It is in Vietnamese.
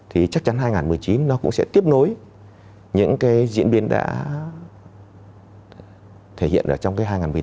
thì chắc chắn hai nghìn một mươi chín nó cũng sẽ tiếp nối những diễn biến đã thể hiện trong hai nghìn một mươi tám